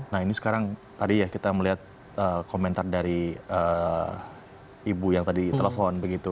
nah ini sekarang tadi ya kita melihat komentar dari ibu yang tadi telepon begitu